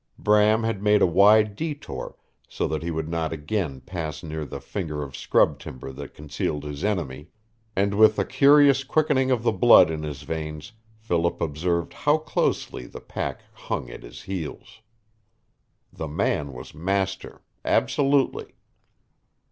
Bram had made a wide detour so that he would not again pass near the finger of scrub timber that concealed his enemy, and with a curious quickening of the blood in his veins Philip observed how closely the pack hung at his heels. The man was master absolutely.